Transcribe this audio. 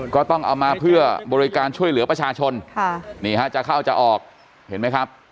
ก็ต้องเอามาเพื่อบริการช่วยเหลือประชาชนค่ะนี่ฮะจะเข้าจะออกเห็นไหมครับ